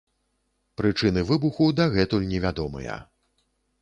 Прычыны выбуху дагэтуль невядомыя.